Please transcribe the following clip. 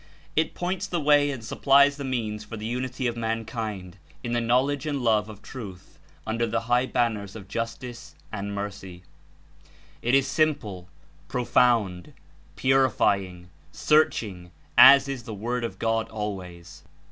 It points the way and supplies the means for the unity of mankind In the knowledge and love of Truth under the high banners of Justice and Mercy. It Is simple, profound, purifying, searching, as Is the Word of God always.